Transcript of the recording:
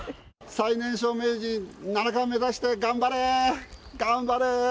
最年少名人七冠目指して頑張れ！